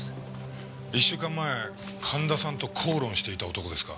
１週間前神田さんと口論していた男ですか？